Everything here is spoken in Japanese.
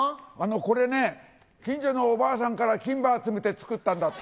これね、近所のおばあさんから金歯集めて作ったんだって。